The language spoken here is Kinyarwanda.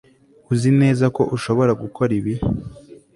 Uzi neza ko ushobora gukora ibi